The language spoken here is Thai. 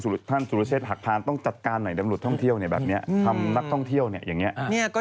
แล้วมาจากไหนไปทำมันก็ไม่รู้